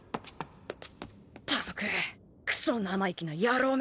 ったくクソ生意気な野郎め。